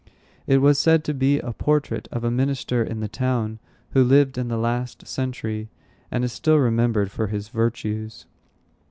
It was said to be a portrait of a minister in the town, who lived in the last century, and is still remembered for his virtues.